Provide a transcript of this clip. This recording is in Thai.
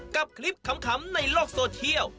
กับคลิปขำในโลกโซเทียล